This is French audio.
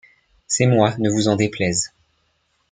C’est moi, ne vous en déplaise.